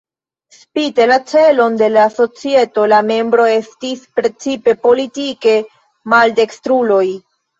Spite la celon de la societo la membroj estis precipe politike maldekstruloj.